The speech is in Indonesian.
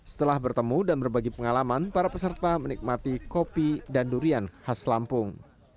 setelah bertemu dan berbagi pengalaman para peserta menikmati kopi dan durian khas lampung